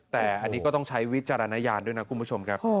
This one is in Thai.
แต่อันนี้ก็ต้องใช้วิจารณญาณด้วยนะคุณผู้ชมครับ